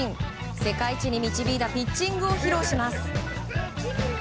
世界一に導いたピッチングを披露します。